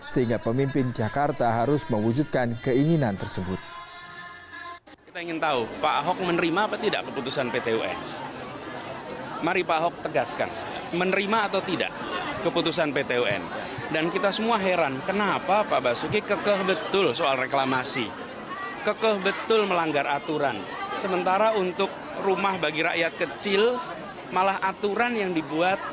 sehingga pemimpin jakarta harus mewujudkan keinginan tersebut